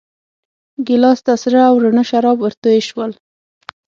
ګیلاس ته سره او راڼه شراب ورتوی شول.